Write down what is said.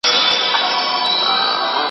پوهه بې ګټي نه ده.